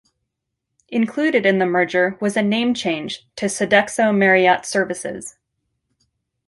Included in the merger was a name change to Sodexho Marriott Services.